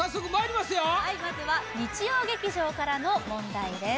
まずは日曜劇場からの問題です